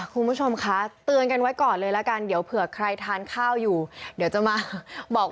คุณผู้ชมคะเตือนกันไว้ก่อนเลยละกันเดี๋ยวเผื่อใครทานข้าวอยู่เดี๋ยวจะมาบอก